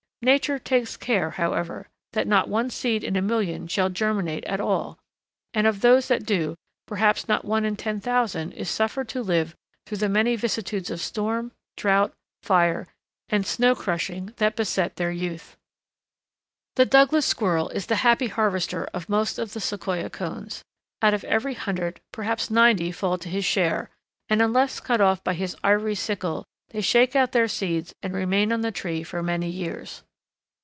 Nature takes care, however, that not one seed in a million shall germinate at all, and of those that do perhaps not one in ten thousand is suffered to live through the many vicissitudes of storm, drought, fire, and snow crushing that beset their youth. The Douglas squirrel is the happy harvester of most of the Sequoia cones. Out of every hundred perhaps ninety fall to his share, and unless cut off by his ivory sickle they shake out their seeds and remain on the tree for many years.